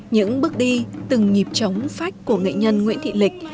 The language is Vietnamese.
những bước đi từng nhịp chống phách của nghệ nhân nguyễn thị lịch